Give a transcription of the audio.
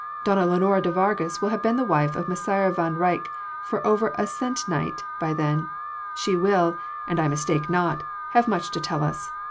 Donna Lenora de Vargas will have been the wife of Messire van Rycke for over a sennight by then: she will and I mistake not have much to tell us.